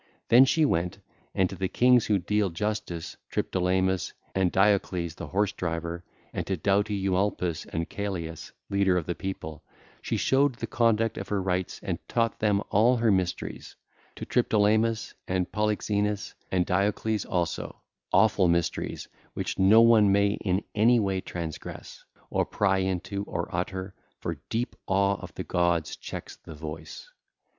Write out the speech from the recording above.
Then she went, and to the kings who deal justice, Triptolemus and Diocles, the horse driver, and to doughty Eumolpus and Celeus, leader of the people, she showed the conduct of her rites and taught them all her mysteries, to Triptolemus and Polyxeinus and Diocles also,—awful mysteries which no one may in any way transgress or pry into or utter, for deep awe of the gods checks the voice.